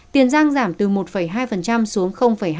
tiền giang giảm từ một hai xuống hai